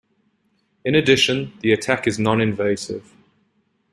In addition, the attack is non-invasive.